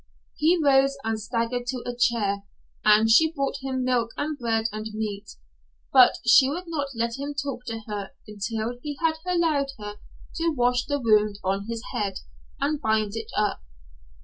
He rose and staggered to a chair and she brought him milk and bread and meat, but she would not let him talk to her until he had allowed her to wash the wound on his head and bind it up.